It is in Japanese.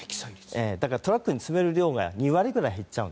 だから、トラックに積める量が２割ぐらい減っちゃう。